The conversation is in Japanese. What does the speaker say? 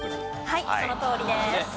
はいそのとおりです。